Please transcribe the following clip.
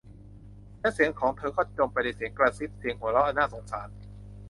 และเสียงของเธอก็จมไปในเสียงกระซิบ เสียงหัวเราะอันน่าสงสาร